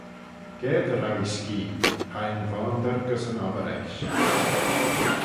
Ga dy row ee skee, hie yn voandyr gys yn obbyr ecksh.